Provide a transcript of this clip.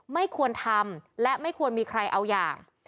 ไม่ควรทำและไม่ควรมีใครเอาอย่าง